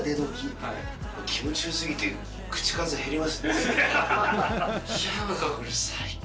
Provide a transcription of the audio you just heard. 気持ちよすぎて、口数減りま最高。